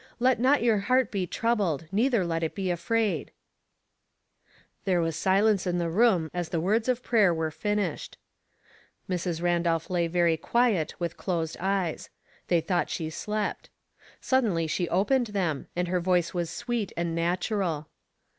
Let not your heart be troubled, neither let it be afraid." 86 HouBehold Puzzles. There was silence in the room as the words of prayer were finished. Mrs. Randolph lay very quiet with closed eyes ; they thought she slept. Suddenly she opened them, and her voice was sweet and natural.